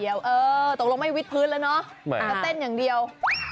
เออตกลงไม่วิดพื้นแล้วเนาะก็เต้นอย่างเดียว